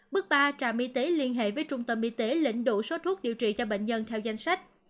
bước ba trạm y tế liên hệ với trung tâm y tế lĩnh đủ số thuốc điều trị cho bệnh nhân theo danh sách